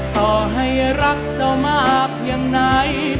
ต่อให้รักเจ้ามากเพียงไหน